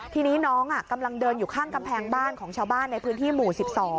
ทีนี้น้องกำลังเดินอยู่ข้างกำแพงบ้านของชาวบ้านในพื้นที่หมู่๑๒